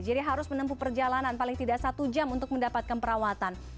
jadi harus menempuh perjalanan paling tidak satu jam untuk mendapatkan perawatan